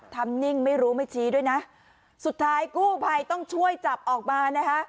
นิ่งไม่รู้ไม่ชี้ด้วยนะสุดท้ายกู้ภัยต้องช่วยจับออกมานะคะ